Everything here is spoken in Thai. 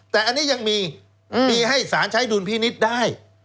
แต่อันนี้ยังมีมีให้สารใช้ดุลพินิษฐ์ได้